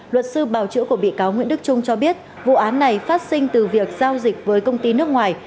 luật sư bào chữa của bị cáo nguyễn đức trung cho biết vụ án này phát sinh từ việc giao dịch với công ty nước ngoài